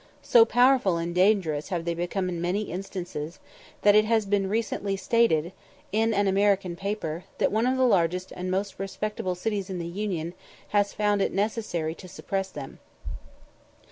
So powerful and dangerous have they become in many instances, that it has been recently stated in an American paper, that one of the largest and most respectable cities in the Union has found it necessary to suppress them.